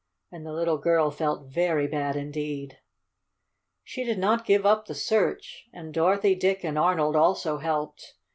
and the little girl felt very bad indeed. She did not give up the search, and Dorothy, Dick and Arnold also helped.